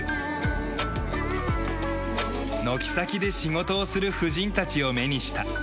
軒先で仕事をする婦人たちを目にした。